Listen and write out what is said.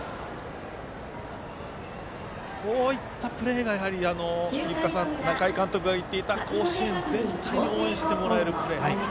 こういったプレーが仲井監督が言っていた甲子園全体に応援してもらえるプレー。